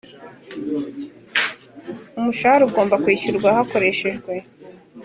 umushahara ugomba kwishyurwa hakoreshejwe